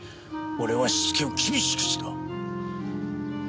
俺はしつけを厳しくした。